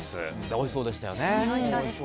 おいしそうでしたよね。